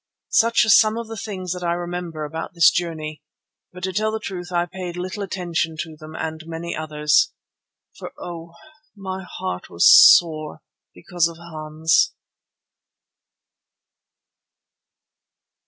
Such are some of the things that I remember about this journey, but to tell truth I paid little attention to them and many others. For oh! my heart was sore because of Hans.